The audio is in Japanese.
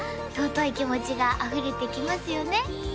尊い気持ちがあふれてきますよね